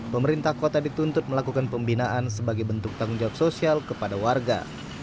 pemerintah kota dituntut melakukan pembinaan sebagai bentuk tanggung jawab sosial kepada warga